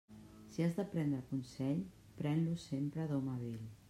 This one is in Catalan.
Si has de prendre consell, pren-lo sempre d'home vell.